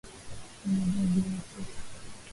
Wamevaa viatu